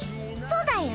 そうだよ。